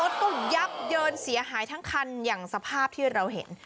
รถก็ยับเยินเสียหายทั้งคันอย่างสภาพที่เราเห็น